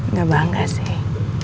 nggak bangga sih